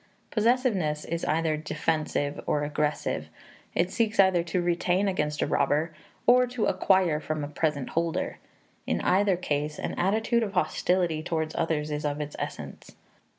Possessiveness is either defensive or aggressive; it seeks either to retain against a robber, or to acquire from a present holder. In either case an attitude of hostility toward others is of its essence.